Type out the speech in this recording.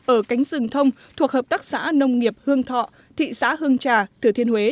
ở cánh rừng thông thuộc hợp tác xã nông nghiệp hương thọ thị xã hương trà thừa thiên huế